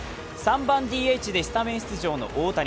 ３番・ＤＨでスタメン出場の大谷。